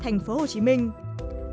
tác phẩm phạm đức minh tp hcm